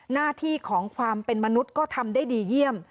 หน้าที่ของความเป็นมนุษย์ก็ทำได้ดีเยี่ยม